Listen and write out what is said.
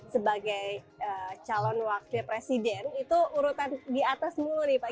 sebagai calon wakil presiden itu urutan di atas mulu nih pak